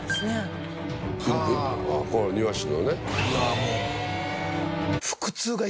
もう。